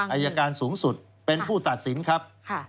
อายการสูงสุดเป็นผู้ตัดสินครับ